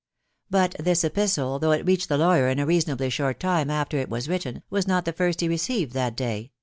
But this epistle, though it reached the lawyer in a reasonably short time aftei it was written, was not the first he received that day